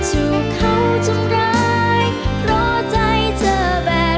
ถูกเขาทำร้ายเพราะใจเธอแบกรับมันเอง